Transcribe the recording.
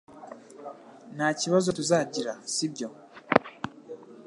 Nta kibazo tuzagira sibyo